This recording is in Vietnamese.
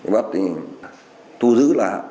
vắt thì thu giữ